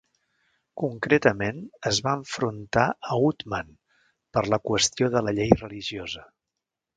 Concretament, es va enfrontar a Uthman per la qüestió de la llei religiosa.